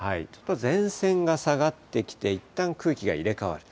前線が下がってきていったん空気が入れ代わる。